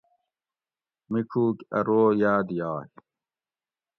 میڄوُک اۤ رو یاد یائ